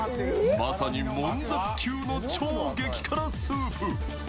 まさにもん絶級の超激辛スープ。